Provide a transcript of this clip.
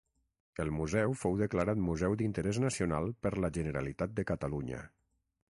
El museu fou declarat museu d'interès nacional per la Generalitat de Catalunya.